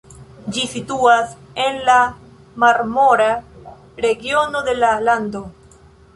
Ĝi situas en la Marmora regiono de la lando.